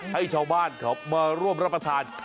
ให้ชาวบ้านเขามาร่วมรับประทาน